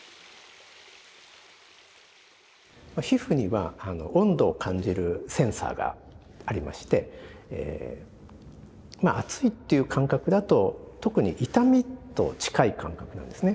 皮膚には温度を感じるセンサーがありまして熱いっていう感覚だと特に痛みと近い感覚なんですね。